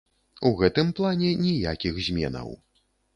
У гэтым плане ніякіх зменаў.